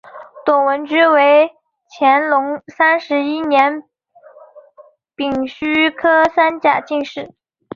董文驹为乾隆三十一年丙戌科三甲进士。